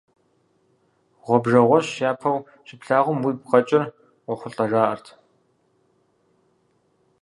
Гъуэбжэгъуэщ япэу щыплъагъум уигу къэкӀыр къохъулӀэ, жаӀэрт.